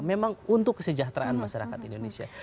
memang untuk kesejahteraan masyarakat indonesia